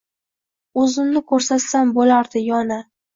Uzimni kursatsam bulardi yona